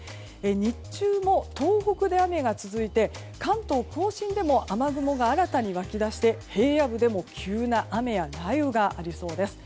日中も東北で雨が続いて関東・甲信でも雨雲が新たに湧き出して平野部でも急な雨や雷雨がありそうです。